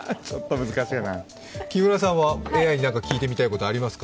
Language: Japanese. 木村さんはＡＩに何か聞いてみたいことありますか？